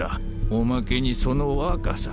おまけにその若さ。